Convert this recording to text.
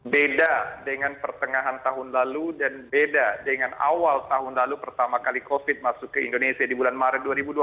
beda dengan pertengahan tahun lalu dan beda dengan awal tahun lalu pertama kali covid masuk ke indonesia di bulan maret dua ribu dua puluh